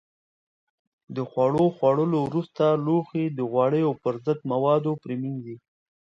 د خوړو خوړلو وروسته لوښي د غوړیو پر ضد موادو پرېمنځئ.